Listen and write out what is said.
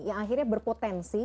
yang akhirnya berpotensi